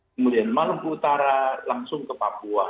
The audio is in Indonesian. kemudian maluku utara langsung ke papua